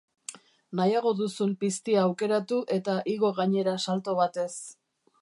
Nahiago duzun piztia aukeratu eta igo gainera salto batez.